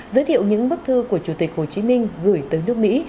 giới thiệu những bức thư của chủ tịch hồ chí minh gửi tới nước mỹ